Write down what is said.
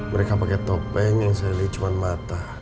mereka pakai topeng yang saya lihat cuma mata